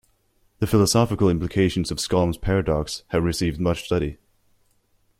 The philosophical implications of Skolem's paradox have received much study.